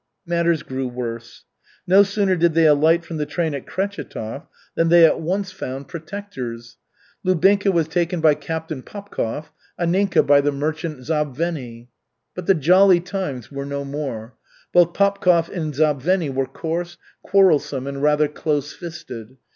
Matters grew worse. No sooner did they alight from the train at Kretchetov than they at once found "protectors." Lubinka was taken by Captain Popkov, Anninka by the merchant Zabvenny. But the jolly times were no more. Both Popkov and Zabvenny were coarse, quarrelsome, and rather close fisted.